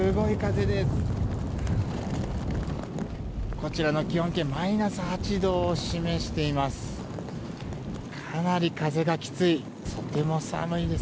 こちらの気温計マイナス８度を示しています。